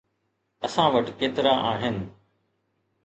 اسان وٽ ڪيترا آهن؟